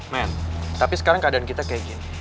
men tapi sekarang keadaan kita kayak gini